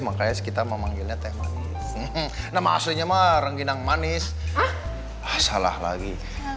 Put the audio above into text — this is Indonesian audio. makanya kita memanggilnya teh manis nah maksudnya mah rengginang manis ah salah lagi